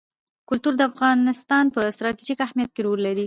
کلتور د افغانستان په ستراتیژیک اهمیت کې رول لري.